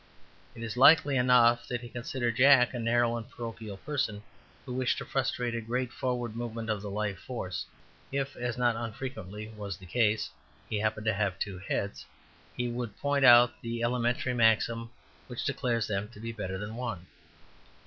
It is likely enough that he considered Jack a narrow and parochial person who wished to frustrate a great forward movement of the life force. If (as not unfrequently was the case) he happened to have two heads, he would point out the elementary maxim which declares them to be better than one.